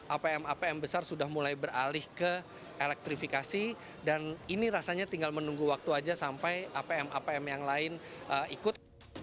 apm apm besar sudah mulai beralih ke elektrifikasi dan ini rasanya tinggal menunggu waktu aja sampai apm apm yang lain ikut